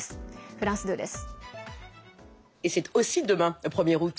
フランス２です。